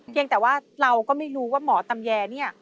ยังแต่ว่าเราก็ไม่รู้ว่าหมอตำแยเนี่ย